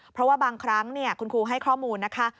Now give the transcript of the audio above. เพราะว่าบางครั้งคุณครูให้ข้อมูลนะคะ